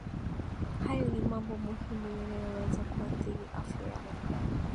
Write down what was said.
Hayo ni mambo muhimu yanayoweza kuathiri afya ya mwanadamu